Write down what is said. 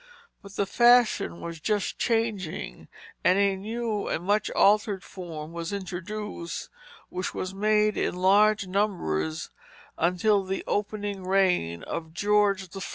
But the fashion was just changing, and a new and much altered form was introduced which was made in large numbers until the opening reign of George I.